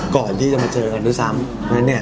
ก่อนที่จะมาเจอกันด้วยซ้ำ